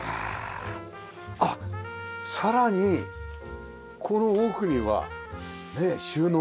あっさらにこの奥には収納が。